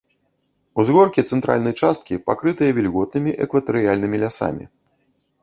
Узгоркі цэнтральнай часткі пакрытыя вільготнымі экватарыяльнымі лясамі.